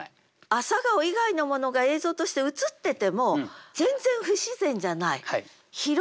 「朝顔」以外のものが映像として映ってても全然不自然じゃない。